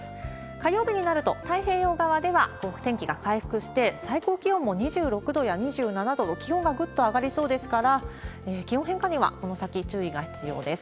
火曜日になると、太平洋側では天気が回復して、最高気温も２６度や２７度と、気温がぐっと上がりそうですから、気温変化には、この先注意が必要です。